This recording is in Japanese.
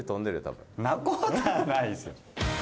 そんなことはないですよ。